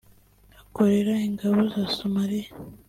hakorera ingabo za Somalia